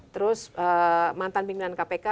terus mantan pimpinan kpk